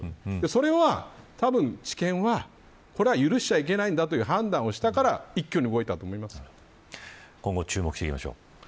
それは、たぶん地検はこれは許しちゃいけないという判断をしたから一挙に今後、注目していきましょう。